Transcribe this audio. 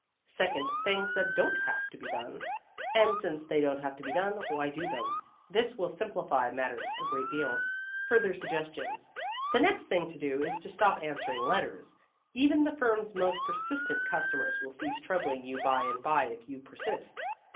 Second, things that don't have to be done. And since they don't have to be done, why do them? This will simplify matters a great deal. FURTHER SUGGESTIONS The next thing to do is to stop answering letters. Even the firm's most persistent customers will cease troubling you by and bye if you persist.